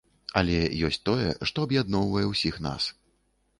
Але ёсць тое, што аб'ядноўвае ўсіх нас.